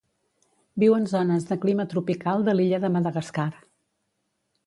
Viu en zones de clima tropical de l'illa de Madagascar.